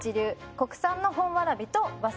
国産の本わらびと和三盆。